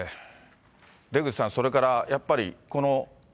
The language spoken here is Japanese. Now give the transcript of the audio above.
出口さん、それからやっぱり。